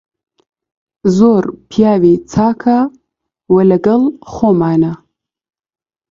زۆر پیاوی چاکە و لەگەڵ خۆمانە.